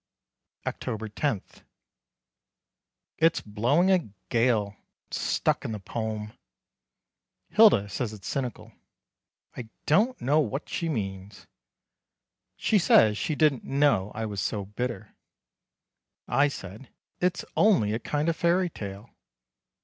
October 10. It's blowing a gale. Stuck in the poem. Hilda says it's cynical. I don't know what she means. She says she didn't know I was so bitter. I said: "It's only a kind of fairy tale."